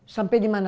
sampai di mana tadi